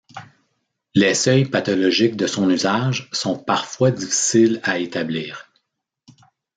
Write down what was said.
Les seuils pathologiques de son usage sont parfois difficiles à établir.